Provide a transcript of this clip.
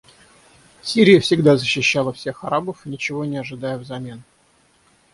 Сирия всегда защищала всех арабов, ничего не ожидая взамен.